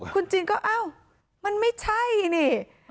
คุณจีนก็อ้าวมันไม่ใช่นี่